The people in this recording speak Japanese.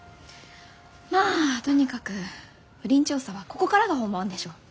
まあとにかく不倫調査はここからが本番でしょ。